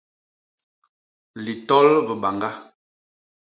Litol bibañga.